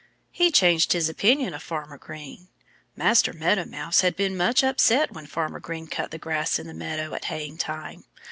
He changed his opinion of Farmer Green. Master Meadow Mouse had been much upset when Farmer Green cut the grass in the meadow at haying time.